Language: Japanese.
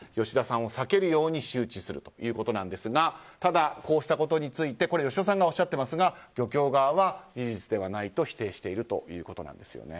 吉田さんを避けるように周知するということですがただ、こうしたことについて吉田さんがおっしゃっていますが漁協側は、事実ではないと否定しているということです。